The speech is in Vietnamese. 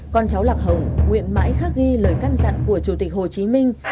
con cháu lạc hồng nguyện mãi khắc ghi lời căn dặn của chủ tịch hồ chí minh